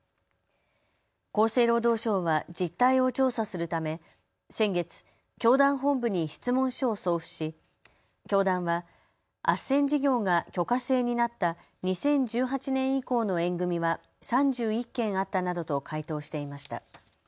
厚生労働省は実態を調査するため先月、教団本部に質問書を送付し教団はあっせん事業が許可制になった２０１８年以降の縁組みは３１件あったなどと回答していました。